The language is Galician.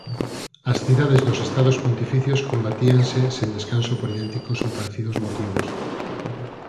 As cidades dos Estados pontificios combatíanse sen descanso por idénticos ou parecidos motivos.